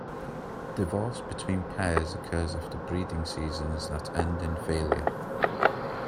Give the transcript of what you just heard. Divorce between pairs occurs after breeding seasons that end in failure.